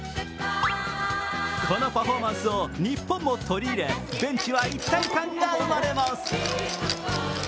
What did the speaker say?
このパフォーマンスを日本も取り入れ、ベンチは一体感が生まれます。